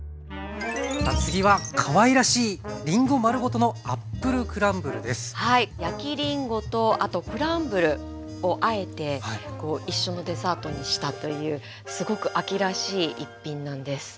次はかわいらしいりんご丸ごとの焼きりんごとあとクランブルをあえて一緒のデザートにしたというすごく秋らしい一品なんです。